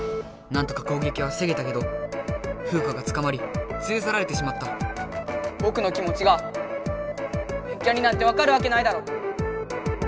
なんとかこうげきはふせげたけどフウカがつかまりつれさられてしまったぼくの気もちが電キャになんてわかるわけないだろ！